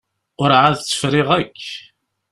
Ur εad tt-friɣ akk.